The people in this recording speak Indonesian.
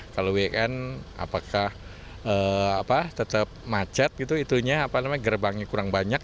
kalau weekend apakah tetap macet gitu itu gerbangnya kurang banyak